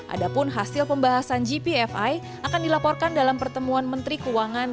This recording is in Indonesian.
ada pun hasil pembahasan gpfi akan dilaporkan dalam pertemuan menteri keuangan